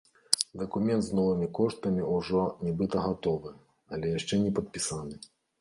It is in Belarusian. Дакумент з новымі коштамі ўжо, нібыта, гатовы, але яшчэ не падпісаны.